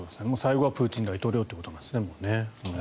最後はプーチン大統領ということですね。